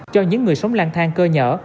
cho những người sống lang thang cơ nhở